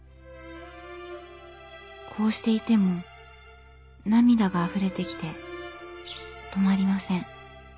こうしていても涙があふれてきて止まりません。